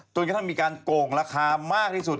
ตัวนี้ก็ทำมีการโกงราคามากที่สุด